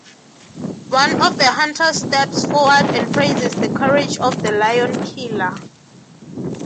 One of the hunters steps forward and praises the courage of the lion-killer.